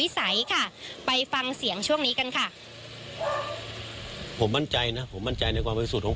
ค่ะไปฟังเสียงช่วงนี้กันค่ะผมมั่นใจนะผมมั่นใจในความบริสุทธิ์ของ